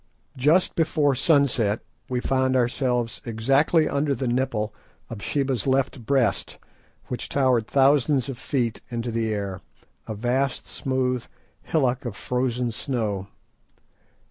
Just before sunset we found ourselves exactly under the nipple of Sheba's left Breast, which towered thousands of feet into the air, a vast smooth hillock of frozen snow.